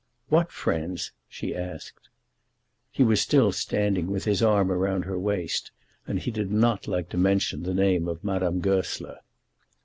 "What friends?" she asked. He was still standing with his arm round her waist, and he did not like to mention the name of Madame Goesler.